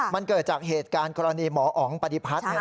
มันเกิดจากเหตุการณ์กรณีหมออ๋องปฏิพัฒน์